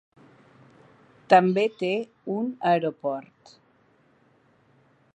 També té un aeroport.